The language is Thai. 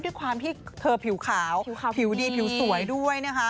ด้วยความที่เธอผิวขาวผิวดีผิวสวยด้วยนะคะ